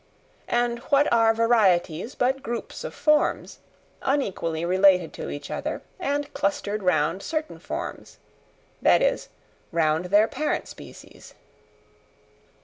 And what are varieties but groups of forms, unequally related to each other, and clustered round certain forms—that is, round their parent species.